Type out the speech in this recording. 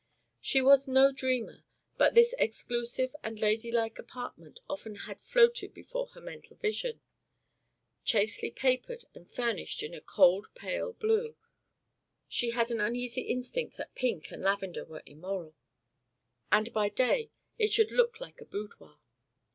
She was no dreamer, but this exclusive and ladylike apartment often had floated before her mental vision, chastely papered and furnished in a cold pale blue (she had an uneasy instinct that pink and lavender were immoral); and by day it should look like a boudoir.